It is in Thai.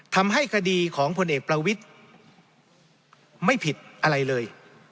ทำให้คดีของพลเอกประวิทธิ์ไม่ผิดอะไรเลย